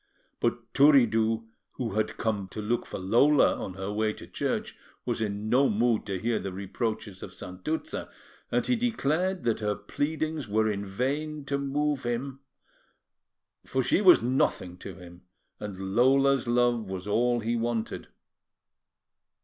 But Turiddu, who had come to look for Lola on her way to church, was in no mood to hear the reproaches of Santuzza; and he declared that her pleadings were in vain to move him, for she was nothing to him, and Lola's love was all he wanted.